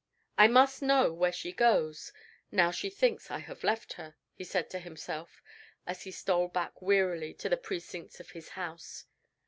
"I must know where she goes, now she thinks I have left her," he said to himself, as he stole back wearily to the precincts of his house.